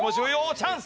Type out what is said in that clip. チャンス！